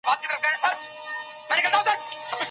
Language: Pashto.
د هغه جنازه د تیمور شاه د قبر سره ښخ شوه.